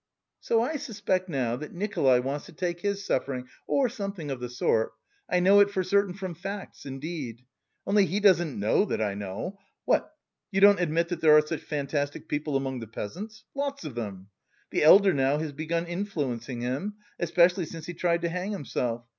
"So I suspect now that Nikolay wants to take his suffering or something of the sort. I know it for certain from facts, indeed. Only he doesn't know that I know. What, you don't admit that there are such fantastic people among the peasants? Lots of them. The elder now has begun influencing him, especially since he tried to hang himself.